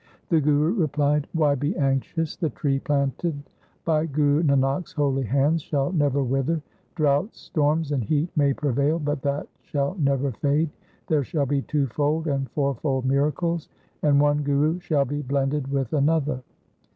The Guru replied, ' Why be anxious ? The tree planted by Guru Nanak's holy hands shall never wither. Droughts, storms, and heat may prevail, but that shall never fade. There shall be twofold and fourfold miracles, and one Guru shall be blended with another.'